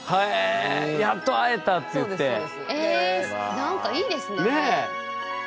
え何かいいですね。